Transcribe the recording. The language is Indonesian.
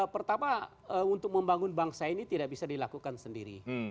pertama untuk membangun bangsa ini tidak bisa dilakukan sendiri